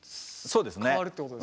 そうですね。